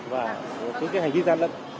và những hành vi gian lận